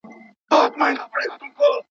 د دلدار د فراق غم را باندي ډېر سو.